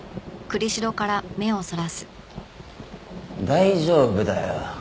大丈夫だよ。